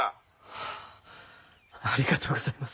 はあありがとうございます。